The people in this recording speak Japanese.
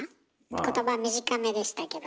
言葉短めでしたけども。